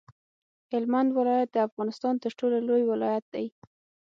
هلمند ولایت د افغانستان تر ټولو لوی ولایت دی.